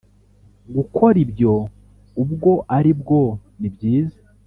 gukora ibyo ubwo ari bwo nibyiza